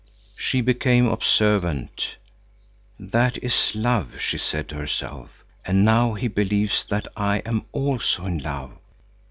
She became observant. "That is love," she said to herself. "And now he believes that I am also in love.